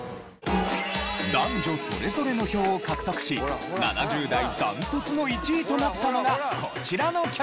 男女それぞれの票を獲得し７０代断トツの１位となったのがこちらの曲。